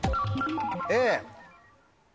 Ａ。